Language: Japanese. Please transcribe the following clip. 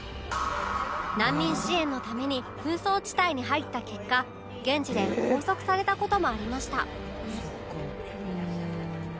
難民支援のために紛争地帯に入った結果現地で拘束された事もありました